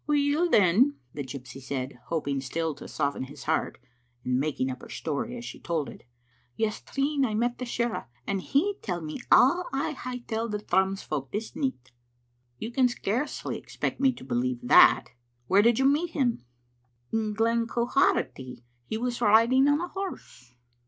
" Weel, then," the gypsy said, hoping still to soften his heart, and making up' her story as she told it, "yes treen I met the shirra, and he telled me a* I hae telled the Thrums folk this nicht." " You can scarcely expect me to believe that. Where did you meet him?" " In Glen Quharity. He was riding on a horse."